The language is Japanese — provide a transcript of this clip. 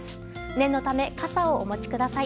念のため、傘をお持ちください。